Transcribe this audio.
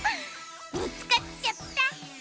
みつかっちゃった！